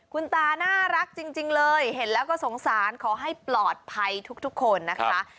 คุณตาน่ารักจริงเลยเห็นแล้วก็สงสารขอให้ปลอดภัยทุกคนนะคะ